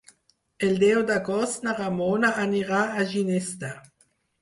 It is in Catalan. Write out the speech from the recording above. El deu d'agost na Ramona anirà a Ginestar.